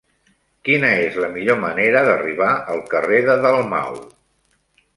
Quina és la millor manera d'arribar al carrer de Dalmau?